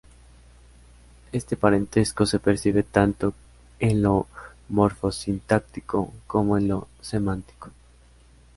Este parentesco se percibe tanto en lo morfosintáctico, como en lo semántico.